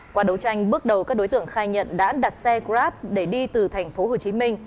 qua đấu tranh bước đầu các đối tượng khai nhận đã đặt xe grab để đi từ tp hcm